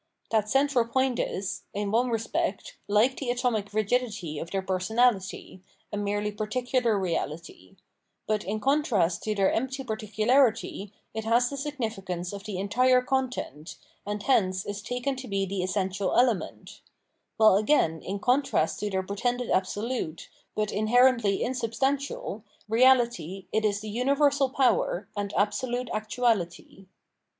That central point is, in one respect, hke the atomic rigidity of their personahty, a merely particular reality; but in contrast to their empty particularity, it has the significance of the entire content, and hence is taken to be the essential element; while again, in contrast to their pretended absolute, but inherently insubstantial, reahty, it is the universal power, and absolute actuality.